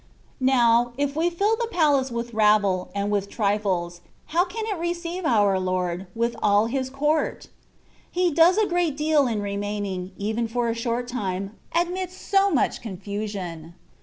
Now, if we fill the palace with rabble, and with trifles,* how can it receive our Lord, with all His court ? He does a great deal in remaining, even for a short time, amidst so much confusion.